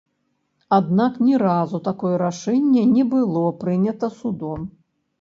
Аднак ні разу такое рашэнне не было прынята судом.